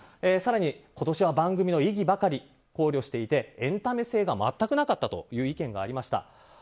更に、今年は番組の意義ばかり考慮していてエンタメ性が全くなかったという意見がありました。